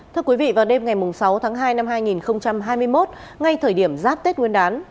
thưa quý vị vào đêm ngày sáu tháng hai năm hai nghìn hai mươi một ngay thời điểm giáp tết nguyên đán